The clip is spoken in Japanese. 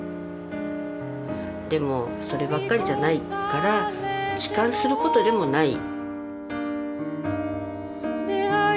でもそればっかりじゃないから悲観することでもない。